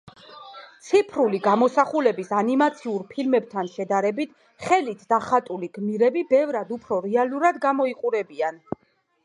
ციფრული გამოსახულების ანიმაციურ ფილმებთან შედარებით, ხელით დახატული გმირები ბევრად უფრო რეალურად გამოიყურებიან.